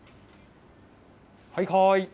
はいはーい。